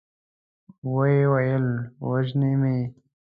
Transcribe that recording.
ويې ويل: وژني مې؟